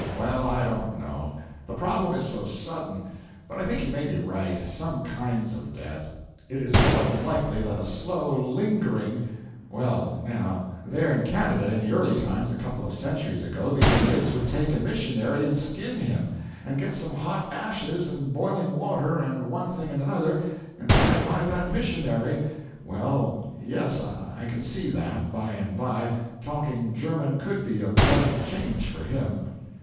Well, I don't know the problem is so sudden but I think you may be right: some kinds of death. It is more than likely that a slow, lingering well, now, there in Canada in the early times a couple of centuries ago, the Indians would take a missionary and skin him, and get some hot ashes and boiling water and one thing and another, and by and by that missionary well, yes, I can see that, by and by, talking German could be a pleasant change for him.